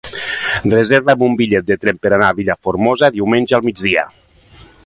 Reserva'm un bitllet de tren per anar a Vilafermosa diumenge al migdia.